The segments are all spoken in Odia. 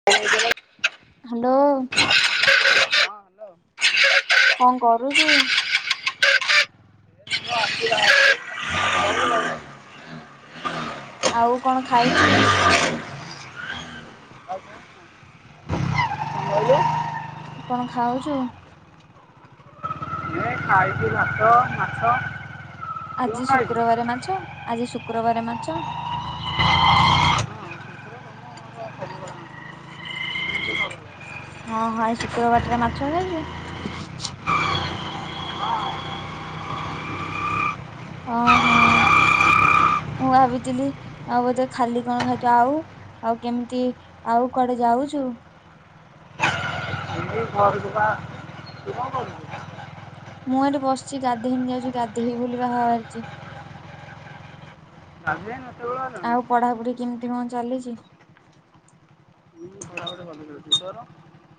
[unintelligible] ହାଲୋ। ହଁ। ହ୍ୟାଲୋ କଣ କରୁଚୁ? [unintelligible] [unintelligible] ଆଉ କଣ ଖାଇଛୁ? ତୁ କଣ ଖାଉଚୁ? ଏ ଖାଇଥିଲା ଭାତ ମାଛ। ତୁ କଣ ଆଜି ଖାଇଛୁ? ଶୁକ୍ରବାରେ ମାଛ-ଆଜି ଶୁକ୍ରବାରେ ମାଛ। ହଁ -ହଁ ଆଜି ଶୁକ୍ରବାର ଟାରେ ମାଛ ଖାଇଚୁ। ଓ ହଁ ମୁଁ ଭାବିଥିଲି ଆଉ ବୋଧେ ଖାଲି କଣ ଖାଇ [unintelligible] ଆଉ ଆଉ କେମିତି- ଆଉ କୁଆଡେ ଯାଉଚୁ? ଏଇ ଘରକୁ ପା। ତୁ କଣ୍ କରୁଚୁ? ମୁଁ ଏଠି ବସିଚି ଗାଧେଇନି ଯାଉଚି ଗାଧଇବି ବୋଲି ବାହାରିଚି। ଗାଧେଇନ ଏତେ ବେଳ ହେଲାଣି। ଆଉ ପଢାପଢି କେମିତି କଣ ଚାଲିଚି? [unintelligible]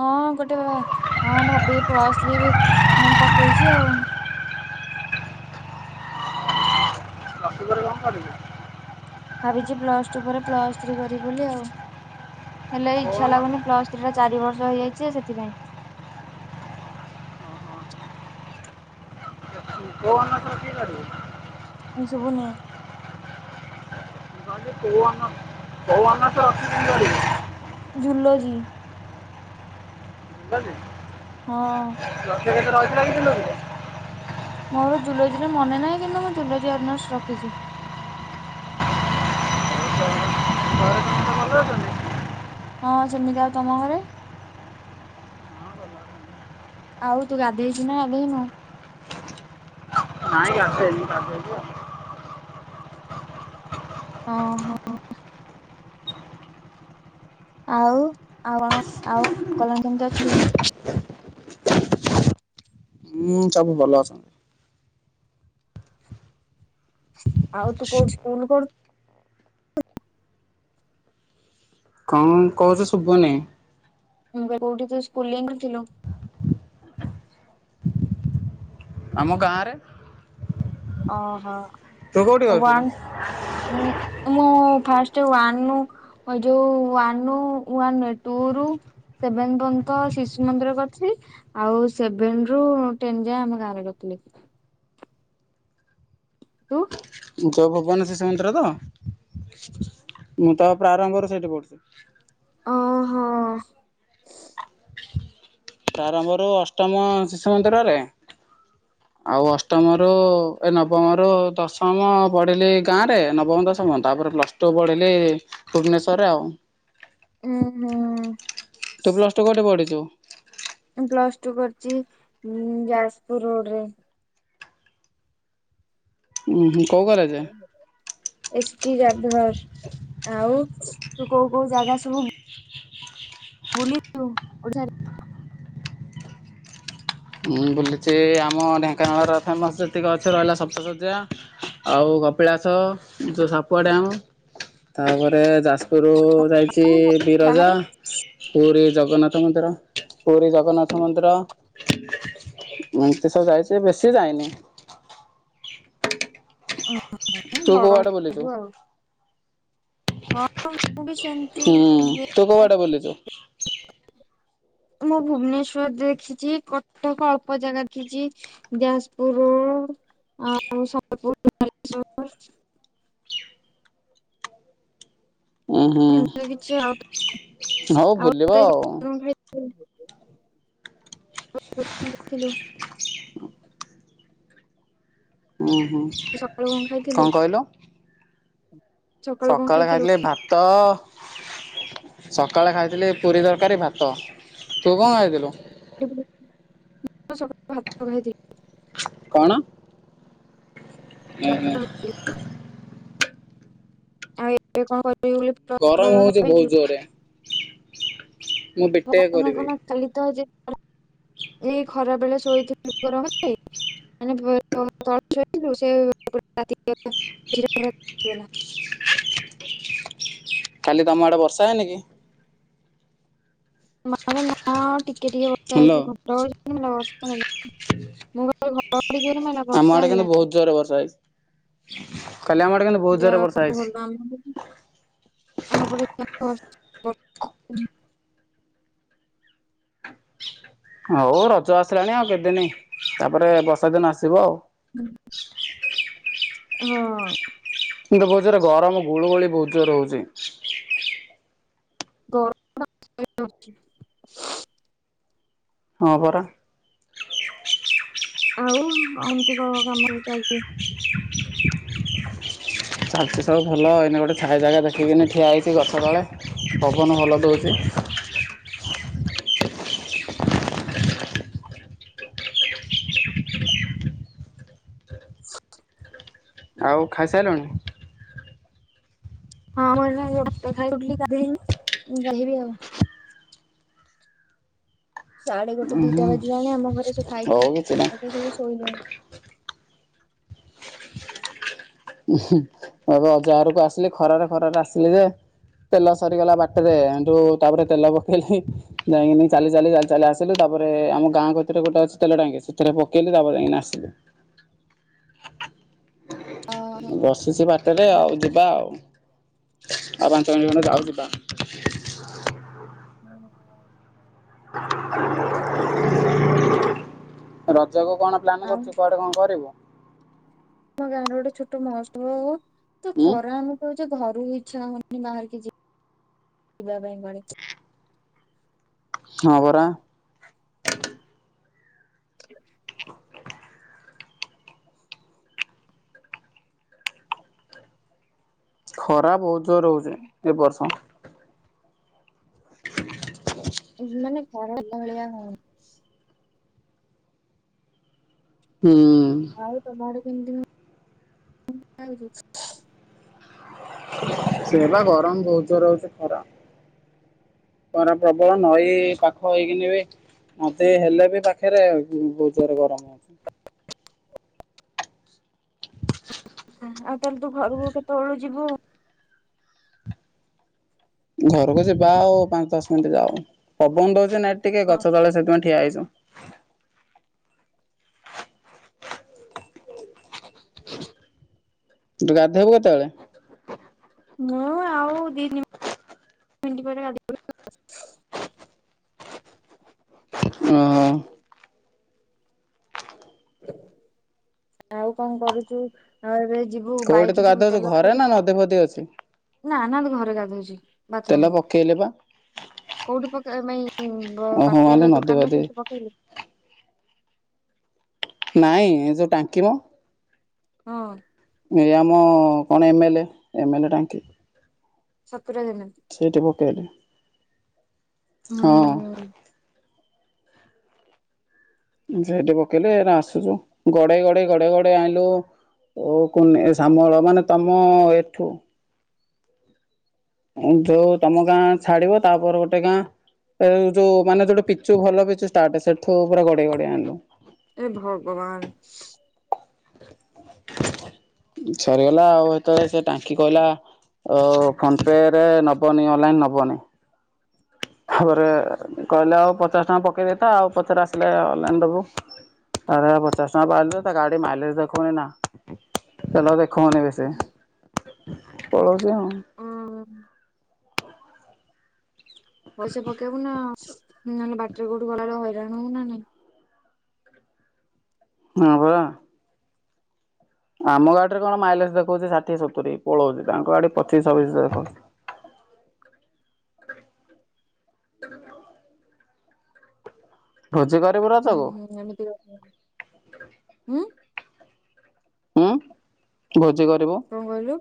ହଁ ଗୋଟେ- ହଁ ଭାବି ପ୍ଲସ ଥ୍ରି ବି ମୁଁ ପକେଇଚି ଆଉ। ପ୍ଲସ୍ ଟୁ ପରେ କଣ କରିବୁ? ଭାବିଚି ପ୍ଲସ୍ ଟୁ ପରେ ପ୍ଲସ୍ ଥ୍ରୀ କରିବି ବୋଲି ଆଉ। ହେଲେ କୋଉ ଇଛା ଅନର୍ସ? ଲାଗୁନି ପ୍ଲସ୍ ଥ୍ରୀ ଟା ଚାରି ବର୍ଷ ହେଇଯାଇଚି ଯେ ସେଥିପାଇଁ। କଉ ଅନର୍ଶ ଠିକ୍ କରିବୁ? ଭାଇ ଶୁବୁନି। କଉ ଅନର୍ସ କଉ ଅନର୍ସ ରଖି [unintelligible] ଜୁଲୋଜି। ଜୁଲୋଜି? ହଁ। [unintelligible] ମୋର ଜୁଲୋଜିରେ ମନେ ନାହିଁ କିନ୍ତୁ ମୁଁ ଜୁଲୋଜି ଅନର୍ଶ ରଖିଚି। ଘରେ ସମସ୍ତେ ଭଲ ଅଛନ୍ତି? ହଁ ସେମିତି- ଆଉ ତମ ଘରେ? ଆଉ ତୁ ଗାଧେଇଚୁ ନା ଗାଧେଇନୁ? ନାଇଁ ଗାଧେଇନି ଗାଧେଇବି ଆଉ। ହଁ -ହଁ। ଆଉ- ଆଉ କଣ ଆଉ [unintelligible] କେମିତି ଅଛି? ହୁଁ ସବୁ ଭଲ ଅଛନ୍ତି। ଆଉ ତୁ କଉଠି ସ୍କୁଲ୍ କରୁ କଣ୍ କହୁଚୁ ଶୁବୁନି। ହୁଁ ବ [unintelligible] କଉଠି ତୁ ସ୍କୁଲିଂ କରିଥିଲୁ। ଆମ ଗାଁରେ। ଓହୋ ତୁ କୋଉଠି କରୁଥିଲୁ? ୱାନ୍ ହୁଁ ମୁଁ ଫାଷ୍ଟେ ୱାନ୍ ରୁ ଯଉ ୱାନ୍ ରୁ ୱାନ୍ ନୁହେଁ ଟୁ ରୁ ସେଭେନ୍ ପର୍ଯ୍ୟନ୍ତ ଶିଶୁ ମନ୍ଦିରରେ କରିଥିଲି। ଆଉ ସେଭେନ୍ ରୁ ଟେନ୍ ଯାଏଁ ଆମ ଗାଁ ରେ କରିଥିଲି। ତୁ? ଯଉ ଭୁବନ ଶିଶୁ ମନ୍ଦିର ତ ମୁଁ ତ ପ୍ରାରମ୍ଭରୁ ସେଇଠି ପଢୁଥିଲି। ଅ- ହୋ। ପ୍ରାରମ୍ଭରୁ ଅଷ୍ଟମ ଶିଶୁ ମନ୍ଦିରରେ ଁ ଆଉ ଅଷ୍ଟମରୁ ଏ ନବମରୁ ଦଶମ ପଢ଼ିଲି ଗାଁରେ ନବମ ଦଶମ ତାପରେ ପ୍ଲସ୍ ଟୁ ପଢିଲି ଭୁବନେଶ୍ଵରରେ ଆଉ। ଉୁଁ- ହୁଁ। ତୁ ପ୍ଲସ୍ ଟୁ କଉଠେ ପଢିଚୁ? ମୁଁ ପ୍ଲସ ଟୁ କରିଛି ଉଁ ଯାଜପୁର ରୋଡରେ। ଉଁ ହୁଁ କୋଉ କଲେଜ? [inaudible] ଏସ୍ ଟି ଜାଭିୟର ଆଉ ତୁ କୋଉ କୋଉ ଜାଗା ସବୁ ବୁଲିଚୁ ଓଡ଼ିଶା ରେ। ମୁଁ ବୁଲିଛି ଆମ ଢେଙ୍କାନାଳର ଫେମସ୍ ଯେତିକ ଅଛି ରହିଲା ସପ୍ତସଯ୍ୟା। ଆଉ କପିଳାସ ଯୋଉ ସାପୁଆ ଡ୍ୟାମ। ତାପରେ ଯାଜପୁରୁ ଯାଇଚି। ବିରଜା ବାହାରେ ପୁରୀ ଜଗନ୍ନାଥ ମନ୍ଦିର ପୁରୀ ଜଗନ୍ନାଥ ମନ୍ଦିର। ଏମିତି ସବୁ ଯାଇଚି ବେଶି ଯାଇନି। ଉଁ ତୁ ବଡ କୋଉଆଡେ ହେଇଯିବୁ ବୁଲିଚୁ। ଆଉ ହଁ ମୁଁ ବି ସେମିତି ହୁଁ ତୁ ଇଏ କୋଉଆଡ଼େ ବୁଳିଚୁ। ମୁଁ ଭୁବନେଶ୍ଵର ଦେଖିଚି କଟକ ଅଳ୍ପ ଜାଗା ଦେଖିଛି। ଯାଜପୁର ରୋଡ ଆଉ ସମ୍ବଲପୁର, ବାଲେଶ୍ଵର। ଉଁ ହୁଁ ଏମତି କିଛି ଆଉ, ହଉ ଆଉ ବୁଲିବ ତୁ ଆଜି [unintelligible] [unintelligible] ଉଁ ହୁଁ। ଆଜି ସକାଳୁ କଁ କଣ ଖାଇଥିଲୁ। କହିଲୁ? ସକାଳୁ କଣ ସକାଳେ ଖାଇଥିଲୁ? ଖାଇଥିଲି ଭାତ। ସକାଳେ ଖାଇଥିଲି ପୁରୀ ତରକାରୀ ଭାତ ତୁ କଁ ଖାଇଥିଲୁ। ମୁଁ ସକାଳେ ଭାତ ଖାଇଥିଲି। କଣ। ଉଁ ହୁଁ। [unintelligible] ଗରମ ହଉଚି ବହୁତ ଭାବିଛୁ ଜୋରରେ। ମୁଁ ବିଟେକ୍ କରିବି। [unintelligible] ଏଇ ଖରାବେଳେ ଶୋଇଥିଲି ଉପର ଘରେ। [unintelligible] କାଲି ତମ ଆଡେ ବର୍ଷା ହେଇନି କି। ମାନେ ନା ଟିକେ ଟିକେ ବର୍ଷା ହ୍ୟାଲୋ ହେଇଚି ଘୋଟଉଚି କିନ୍ତୁ ବର୍ଷା ହେଲାନି। ମୁଁ କହିଲି ଘଡ଼ ଘଡି ଜୋରରେ ମାଇଲା ଆମ ବର୍ଷା ଆଡେ କିନ୍ତୁ ହେଲାନି କି ବହୁତ ଜୋରରେ ବର୍ଷା ହେଇଚି, କାଲି ଆମ ଆଡେ କିନ୍ତୁ ବହୁତ ଜୋରରେ ବର୍ଷା ହେଇଛି। ଆମର ବି। [unintelligible] ହଉ ରଜ ଆସିଲାଣି ଆଉ କେତେଦିନି ତାପରେ ବର୍ଷା ଦିନ ଆସିବ ଆଉ। ହୁଁ। ହଁ। କିନ୍ତୁ ବହୁତ ଯୋର ରେ ଗରମ ଗୁଳୁ ଗୁଳି ବହୁତ ଜୋର ହଉଛି। ଗରମ ସହି ହଉନି। ହଁ ପରା। ଆଉ ଆଉ ଏମିତି କଁ କାମ ଏବେ ଚାଲିଛି। କି କିଉ, କି କିଉ, କି କିଉ, କି କିଉ। ଚାଲିଛି ସବୁ ଭଲ ଏଇନେ ଗୋଟେ ଛାଇ ଜାଗା ଦେଖିକିନି ଠିଆ ହେଇଛି ଗଛ ତଳେ ପବନ ଭଲ ଦଉଚି। ସତରେ ଆଉ ଖାଇ ସାଇଲଣି। ହଁ ମୁଁ ଏଇନେ ଭାତଖାଇକି ଉଠିଲି ଗାଧେଇନି, ଗାଧେଇବି ଆଉ। ସାଢେ ଗୋଟେ ଉହୁଁ ଦିଟା ବାଜିଲାଣି ଆମ ଘରେ ସବୁ ଖାଇକି ହଉ କିଛି ନାହିଁ। ଲୋକ ସବୁ ଶୋଇଲେଣି। ଉହୁଁ, ଏବେ ଅଜାଘରକୁ ଆସିଲେ ଖରାରେ ଖରାରେ ଆସିଲି ଯେ ତେଲ ସରିଗଲା ବାଟରେ ସେଠୁ ତାପରେ ତେଲ ପକେଇଲି ଯାଇକିନି ଚାଲି ଚାଲି ଚା ଚାଲି ଆସିଲି ତାପରେ ଆମ ଗାଁ କତିରେ ଗୋଟେ ଅଛି ତେଲ ଟାଙ୍କି ସେଥିରେ ପକେଇଲି ତାପରେ ଯାଇକିନା ଆସିଲି। ଅହଃ। ବସିଛି ବାଟରେ ଆଉ ଯିବା ଆଉ, ଆଉ ପାଞ୍ଚ ମିନିଟଖଣ୍ଡେ ଯାଉ ଯିବା। [unintelligible] [inaudible] ରଜ କୁ କଣ ପ୍ଲାନ୍ ଆଉ କରୁଚୁ ଆମ କୁଆଡେ କଣ କରିବୁ? ଆମ ଗାଁରେ ଗୋଟେ ଛୋଟ ମହୋତ୍ସବ ହଉ, ତ ଉଁ ଖରା ଆମ ହଉଯେ ଘରୁ ଇଚ୍ଛା ହଉନି ବାହାରିକି ଯିବା ପାଇଁ କୁଆଡେ। ହଁ ପରା। [unintelligible] ଖରା ବହୁତ ଜୋରେ ହଉଚି ଏ ବର୍ଷ। [inaudible] ଏବେମାନେ ଖରା ହେଲା ଭଳିଆ ହଉନି। ହୁଁ। ଆଉ ତମ ଆଡେ କେମିତି [unintelligible] ହଉ ଛି? ସେଇଆ ବା ଗରମ ବହୁତ ଜୋରେ ହଉଛି ଖରା। ଖରା ପ୍ରବଳ ନଈ ପାଖ ହେଇକିନି ବି ନଦୀ ହେଲେ ବି ପାଖେରେ ବହୁତ୍ ଜୋରେ ଗରମ ହ ଆଉ ତାହେଲେ ତୁ ଘରକୁ କେତେବେଳୁ ଯିବୁ? ଘରକୁ ଯିବା ଆଉ ପାଞ୍ଚ ଦଶ ମିଣ୍ଟ ଯାଉ ପବନ ଦଉଛି ନା ଏ ଟିକେ ଗଛ ତଳେ ସେଥିପାଇଁ ଠିଆ ହେଇଚୁ। ତୁ ଗାଧେବୁ କେତବେଳେ? ମୁଁ ଆଉ ଦି ମିଣ୍ଟି ପରେ ଗାଧେଇ [unintelligible] ଅଁ ହଁ। ଆଉ କଣ କରୁଚୁ? ହଁ ଏବେ ଯିବୁ କୋଉଠି ତୁ ବାଇକି ଯିବୁ ଗାଧଉଛୁ ତେଲ ଘରେ କୋଉଠି ନା ନଦୀ ଫଦୀ ଅଛି? ନା ନା ଘରେ ଗାଧଉଛି ବାଥ ତେଲ ପକେଇଲେ ପା? କୋଉଠି ପକେଇ ମାଇଁ ବ ଓହୋ ବାଟରେ ଆଲୋ ଯୋଉ ନଦୀ ଦୋକାନ ରେ ବଦୀ ସେଇଠି ପକେଇଲୁ? ନାଇଁ ଏ ଯୋଉ ଟାଙ୍କି ର। ହଁ। ଏ। ଆମ କଣ ଏମେଲେ ଏମେଲେ ଟାଙ୍କି। ସପୁର ଜାଣନ୍ତି। ସେଇଠି ପକେଇଲି। ହଁ। ହୁଁ ସେଇଠି ପକେଇଲି ଏଇନେ ଆସୁଛୁ ଗଡେଇ ଗଡେଇ ଗଡେଇ ଗଡେଇ ଆଣିଲୁ ଏ କୁନି ଶାମଳ ମାନେ ତମ ଏଠୁ। ଏ ଯୋଉ ତମ ଗାଁ ଛାଡିବ ତାପରେ ଗୋଟେ ଗାଁ। ଏଉ ଯୋଉ ମାନେ ଯୋଉଠି ପିଚୁ ଭଲ ପିଚୁ ଷ୍ଟାର୍ଟ ସେଠୁ ପୁରା ଗଡେଇ ଗଡେଇ ଆଣିଲୁ। ଏ ଭଗବାନ। ସରିଗଲା ଆଉ ହେତ ଏ ସେ ଟାଙ୍କି କହିଲା ଓ ଫୋନ ପେରେ ନବନି ଅନଲାଇନ୍ ନବନି। ଥରେ କହିଲେ ଆଉ ପଚାଶ ଟଙ୍କା ପକେଇ ଦେଇଥା ଆଉ ପଛରେ ଆସିଲେ ଅନଲାଇନ୍ ଦବୁ। ତା ପଚାଶ ଟଙ୍କା ପାଇଲି ଯେ ଗାଡି ମାଇଲେଜ ଦେଖଉନି ନା। ତେଲ ଦେଖୋଉନି ବେଶୀ ପଳଉଚି ଆଉ। ହଁ। ପଇସା ପକେଇବୁ ନା ନହେଲେ ବାଟରେ କୋଉଠୁ ଗଲାବେଳେ ହଇରାଣ ହବୁ ନା ନାଇଁ। ହଁ ବା। ଆମ ଗାଡ଼ି ରେ କଣ ମାଇଲେଜ ଦେଖଉଛି ଷାଠିଏ ସତୁରି ପଳଉଚି ତାଙ୍କ ଗାଡ଼ି ପଚିଶ ଛବିଶରେ ଦେଖଉଛି। ଭୋଜି କରରେବୁର ହୁଁ ହୁଁ ଏମିତି [unintelligible] ହୁଁ ଉଁ ଭୋଜି କରିବ। କଣ କହିଲୁ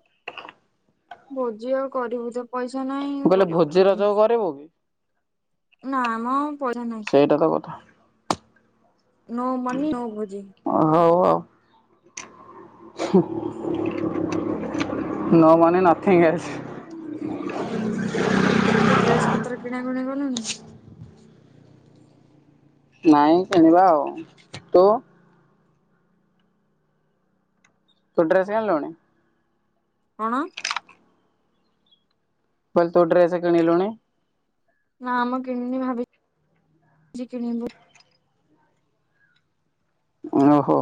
ଭୋଜି ଆଉ କରିବୁ ତ। ପଇସା ନାହିଁ ମୁଁ କହିଲି କରିବ ଭୋଜି ରଜକୁ କରିବୁ କି? ନା ଆମ ପଇସା ନାହିଁ। ତାଙ୍କ କଥା। ନୋ ମନି ନୋ ଭୋଜି। ହଉ ଆଉ। ନ ମନି ନଥିଙ୍ଗ ଏସ୍‌। ତୁ ଡ୍ରେସ ପତ୍ର କିଣା କିଣି ଗଲୁଣି? ନାଇଁ କିଣିବା ଆଉ ତୁ? ତୁଡ୍ରେସ କିଣି ଲୁଣି। କଣ। କହିଲି ତୁ ଡ୍ରେସ କିଣିଲୁଣି? ନାମ କିଣିନି ଭାବି ଚି କିଣିବି ଓଣ ହୋ।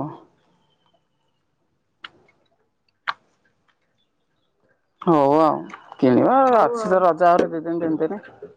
ହଉ ଆଉ କିଣିବା ଆଉ ଅଛି ତ ରଜା ଆହୁରି ଦି ଦିନ ତିନ ଦିନ।